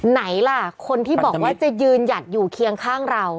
ไหนล่ะคนที่บอกว่าจะยืนหยัดอยู่เคียงข้างเรา